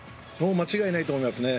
間違いないと思いますね。